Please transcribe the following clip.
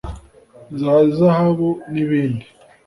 za zahabu n’ibindi